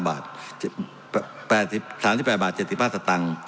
มันอยู่ที่ดีเซล๓๔๙๔บาทเบนทิน๓๘๗๕บาท